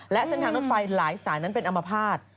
และเส้นทางรถไฟหลายสายนั้นเป็นอัมพาต